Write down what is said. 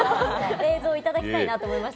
映像いただきたいなと思いました。